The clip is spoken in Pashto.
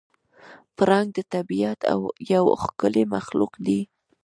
پړانګ د طبیعت یو ښکلی مخلوق دی.